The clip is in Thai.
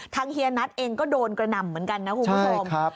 ทั้งเฮียนัทเองก็โดนกระหน่ำเหมือนกันนะครับครับ